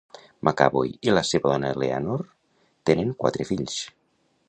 McAvoy i la seva dona Eleanor tenen quatre fills.